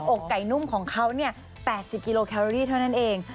ออกไก่นุ่มของเขาเนี่ย๘๐กิโลแคลลี่เท่านั้นเอง